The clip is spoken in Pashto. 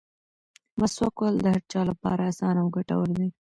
مسواک وهل د هر چا لپاره اسانه او ګټور دي.